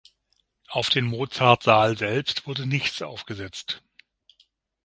Auf den Mozartsaal selbst wurde nichts aufgesetzt.